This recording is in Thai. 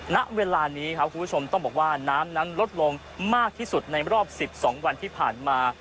ณเวลานี้ครับคุณผู้ชมต้องบอกว่าน้ำนั้นลดลงมากที่สุดในรอบ๑๒วันที่ผ่านมา